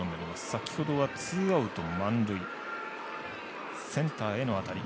先ほどはツーアウト満塁センターへの当たり。